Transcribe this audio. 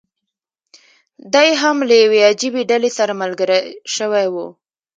دی هم له یوې عجیبي ډلې سره ملګری شوی و.